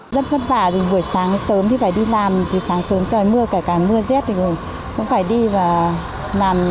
rất vất vả buổi sáng sớm thì phải đi làm buổi sáng sớm trời mưa cả cả mưa rét thì cũng phải đi và làm